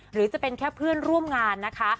หรือจะเป็นแค่เพื่อนร่วมงานนะคะ